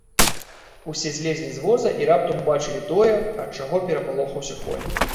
Усе злезлі з воза і раптам убачылі тое, ад чаго перапалохаўся конь.